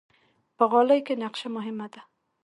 په غالۍ کې نقشه مهمه ده.